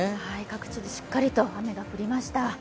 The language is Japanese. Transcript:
各地でしっかりと雨が降りました。